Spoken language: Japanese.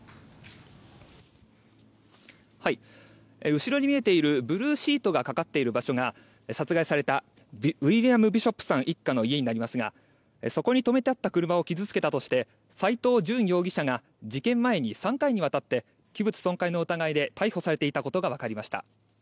後ろに見えているブルーシートがかかっている場所が殺害されたウィリアム・ビショップさん一家の家になりますがそこに止めてあった車を傷付けたとして、斎藤淳容疑者が事件前に３回にわたって器物損壊の疑いで逮捕されていたことがわかりました。